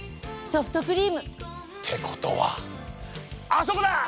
ソフトクリーム。ってことはあそこだ！